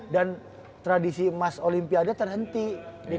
dan tradisi emas olimpiada terhenti di dua ribu dua belas